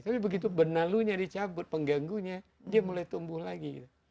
tapi begitu benalunya dicabut pengganggunya dia mulai tumbuh lagi